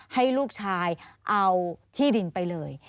ให้ลูกชายเอาที่ดินไปเลย